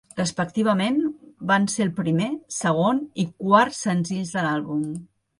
Respectivament, van ser el primer, segon i quart senzills de l'àlbum.